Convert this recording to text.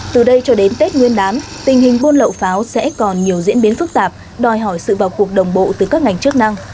từ đây cho đến tết nguyên đán tình hình buôn lậu pháo sẽ còn nhiều diễn biến phức tạp đòi hỏi sự vào cuộc đồng bộ từ các ngành chức năng